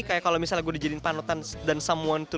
kayak kalau misalnya gue dijadiin panutan dan someone